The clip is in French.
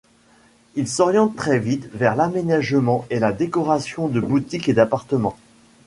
Il s'oriente très vite vers l'aménagement et la décoration de boutiques et d'appartements.